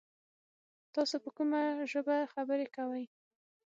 تاسو په کومه ژبه خبري کوی ؟